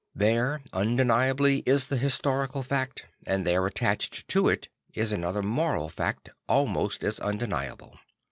There undeniably is the historical fact; and there attached to it is another moral fact almost as undeniable.